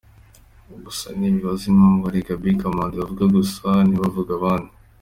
Gusa nibaza impamvu ari Gaby Kamanzi bavuga gusa ntibavuge abandi.